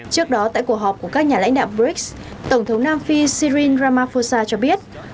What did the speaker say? trước đó tại cuộc họp của các nhà lãnh đạo brics tổng thống nam phi sirin ramaphosa cho biết